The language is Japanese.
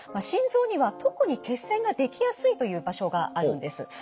心臓には特に血栓ができやすいという場所があるんです。